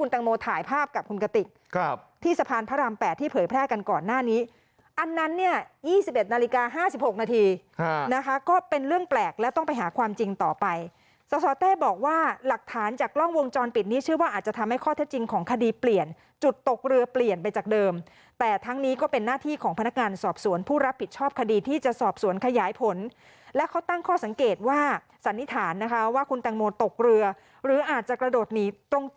๖นาทีนะคะก็เป็นเรื่องแปลกแล้วต้องไปหาความจริงต่อไปสตแต้บอกว่าหลักฐานจากกล้องวงจรปิดนี้เชื่อว่าอาจจะทำให้ข้อเท็จจริงของคดีเปลี่ยนจุดตกเรือเปลี่ยนไปจากเดิมแต่ทั้งนี้ก็เป็นหน้าที่ของพนักงานสอบสวนผู้รับผิดชอบคดีที่จะสอบสวนขยายผลและเขาตั้งข้อสังเกตว่าสันนิษฐานนะคะว่าคุณแตง